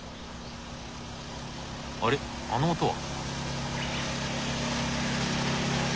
あれあの音は？